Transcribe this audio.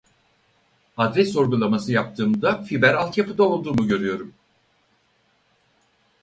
Adres sorgulaması yaptığımda fiber altyapıda olduğumu görüyorum